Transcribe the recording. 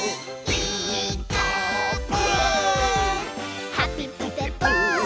「ピーカーブ！」